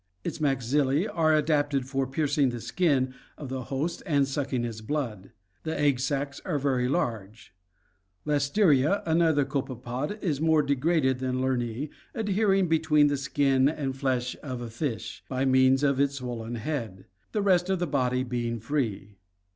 Its maxilla; are adapted for piercing the skin of the host and suck ing its blood. The egg sacs are very large. * Lesteira (Fig. 4S,C), another copepod, i s more degraded than LerniBa, adhering be tween the skin and flesh of a fish (Genyp torus blacodes) by means of its swollen head, the rest of the body being free.